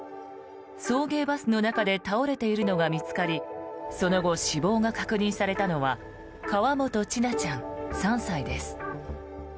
送迎バスの中で倒れているのが見つかりその後、死亡が確認されたのは河本千奈ちゃん、３歳です。